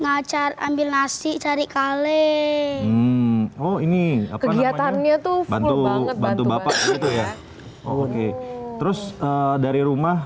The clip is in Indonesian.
ngacar ambil nasi cari kaleng oh ini kegiatannya tuh bagus banget bantu bapak gitu ya oke terus dari rumah